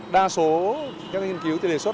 đa số các nghiên cứu thì đề xuất